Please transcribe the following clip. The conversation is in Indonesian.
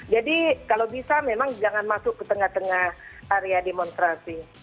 jadi kalau bisa memang jangan masuk ke tengah tengah area demonstrasi